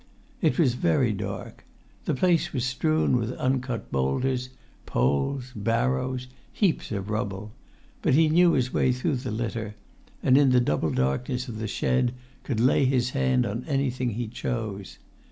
It was very dark; the place was strewn with uncut boulders, poles, barrows, heaps of rubble; but he knew his way through the litter, and, in the double darkness of the shed, could lay his hand on anything he chose.